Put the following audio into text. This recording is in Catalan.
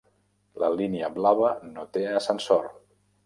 La Línia Blava no té ascensor.